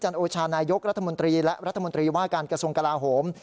โอชานายกรัฐมนตรีและรัฐมนตรีว่าการกระทรวงกลาโหม